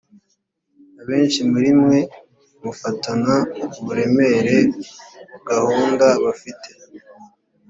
abenshi muri mwe mufatana uburemere gahunda bafite.